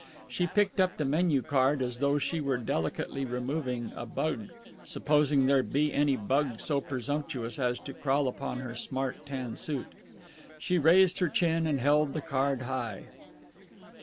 She picked up the menu card as though she were delicately removing a bug supposing there to be any bug so presumptuous as to crawl upon her smart tan suit. She raised her chin and held the card high.